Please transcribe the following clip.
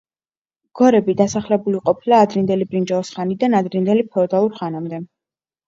გორები დასახლებული ყოფილა ადრინდელი ბრინჯაოს ხანიდან ადრინდელი ფეოდალურ ხანამდე.